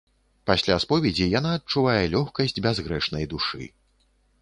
Пасля споведзі яна адчувае лёгкасць бязгрэшнай душы.